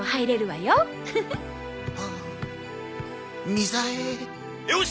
よし！